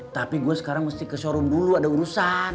tapi gue sekarang mesti ke showroom dulu ada urusan